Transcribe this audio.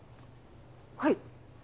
はい。